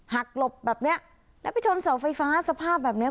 หลบแบบเนี้ยแล้วไปชนเสาไฟฟ้าสภาพแบบเนี้ย